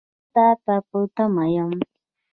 زه تا ته په تمه یم .